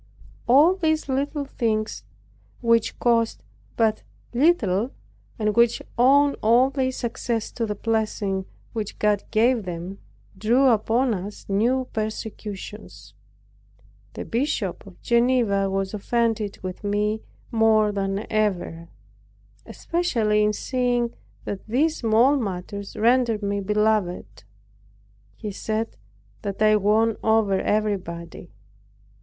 All these little things, which cost but little, and which owed all their success to the blessing which God gave them, drew upon us new persecutions. The Bishop of Geneva was offended with me more than ever, especially in seeing that these small matters rendered me beloved. He said that I won over everybody.